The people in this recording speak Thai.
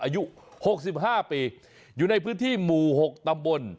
อายุหกสิบห้าปีอยู่ในพื้นที่หมู่หกตำบล